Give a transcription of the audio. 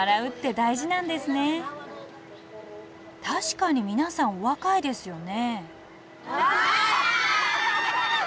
確かに皆さんお若いですよね。